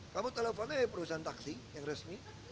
kamu teleponnya dari perusahaan taksi yang resmi